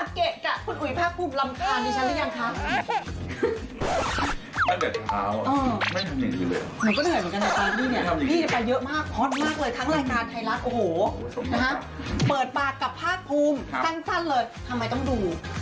เปิดปากกับภาคภูมิสั้นเลยทำไมต้องดู